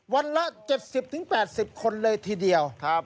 วันละ๗๐๘๐คนเลยทีเดียว